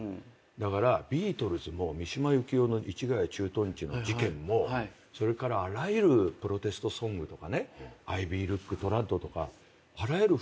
だからビートルズも三島由紀夫の市ヶ谷駐屯地の事件もそれからあらゆるプロテストソングとかねアイビールックトラッドとかあらゆる風俗文化